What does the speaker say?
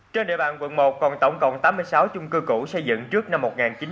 trên địa bàn quận một còn tổng cộng tám mươi sáu chung cư cũ xây dựng trước năm một nghìn chín trăm bảy mươi